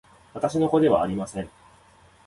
私の子ではありません